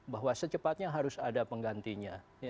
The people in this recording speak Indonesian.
bahwa secepatnya harus ada penggantinya